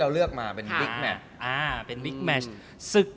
เด็กหงมา๒คน